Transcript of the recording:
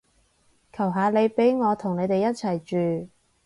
求下你畀我同你哋一齊住